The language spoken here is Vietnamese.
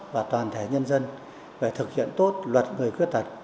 và nhân dân về thực hiện tốt luật người khuyết tật